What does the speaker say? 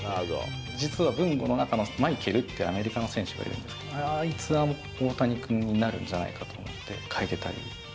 実はブンゴの中のマイケルっていうアメリカの選手がいるんですけど、あいつは大谷君になるんじゃないかと思って描いてたり。